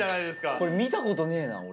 これ見たことねえな俺。